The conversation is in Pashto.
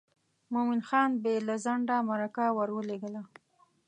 مومن خان بې له ځنډه مرکه ور ولېږله.